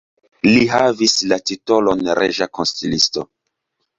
Li havis la titolon reĝa konsilisto.